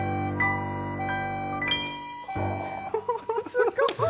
すごい。